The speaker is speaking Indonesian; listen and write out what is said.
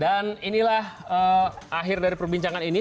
dan inilah akhir dari perbincangan ini